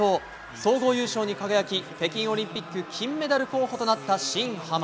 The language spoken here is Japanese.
総合優勝に輝き北京オリンピック金メダル候補となった新濱。